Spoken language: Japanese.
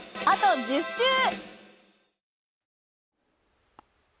あと１０週！